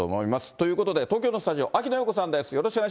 ということで、東京のスタジオ、秋野暢子さんです。